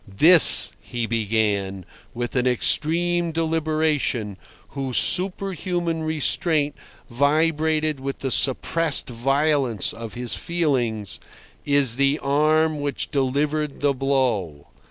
"This," he began, with an extreme deliberation, whose superhuman restraint vibrated with the suppressed violence of his feelings, "is the arm which delivered the blow.